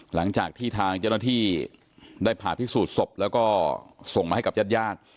หลังจากที่ทางเจ้าหน้าที่ได้ผ่าพิสูจน์ศพแล้วก็ส่งมาให้กับญาติญาติ